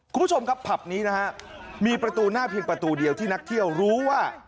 คุณผู้ชมครับผับนี้นะฮะมีประตูหน้าเพียงประตูเดียวที่นักเที่ยวรู้ว่า